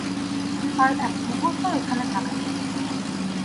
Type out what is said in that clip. আর একমুহূর্তও এখানে থাকা নয়।